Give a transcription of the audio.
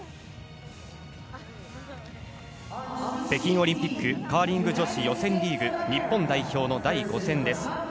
北京オリンピックカーリング女子予選リーグ日本代表の第５戦です。